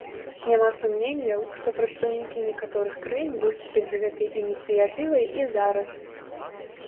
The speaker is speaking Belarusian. Няма сумненняў, што прадстаўнікі некаторых краін выступяць з гэтай ініцыятывай і зараз.